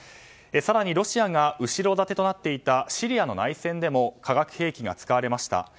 更にロシアが後ろ盾となっていたシリアの内戦でも化学兵器が使われました。